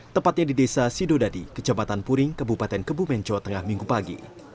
tepatnya di desa sidodadi kejabatan puring kebupaten kebumen jawa tengah minggu pagi